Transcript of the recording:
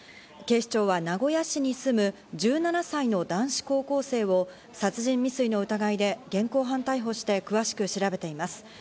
警視庁は名古屋市に住む１７歳の男子高校生を殺人未遂の疑いで現行犯逮捕して詳しく調べています。